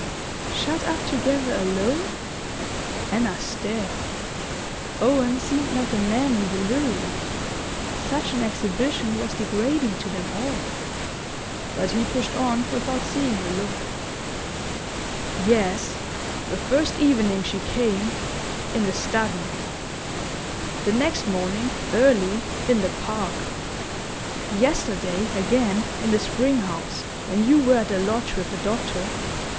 "Shut up together alone?" Anna stared. Owen seemed like a man in delirium; such an exhibition was degrading to them all. But he pushed on without seeing her look. "Yes the first evening she came, in the study; the next morning, early, in the park; yesterday, again, in the spring house, when you were at the lodge with the doctor...